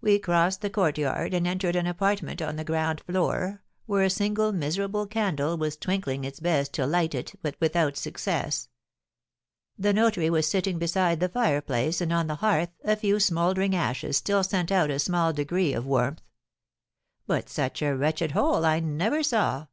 We crossed the courtyard, and entered an apartment on the ground floor, where a single miserable candle was twinkling its best to light it, but without success. The notary was sitting beside the fireplace, and on the hearth a few smouldering ashes still sent out a small degree of warmth. But such a wretched hole I never saw!